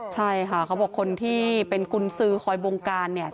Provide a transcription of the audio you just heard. ใช่ค่ะเขาบอกคนที่เป็นกุญสือคอยบงการเนี่ย